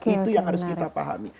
itu yang harus kita pahami